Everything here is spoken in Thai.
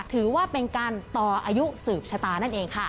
ถือว่าเป็นการต่ออายุสืบชะตานั่นเองค่ะ